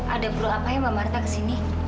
ada pro apa ya mbak marta kesini